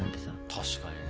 確かにね。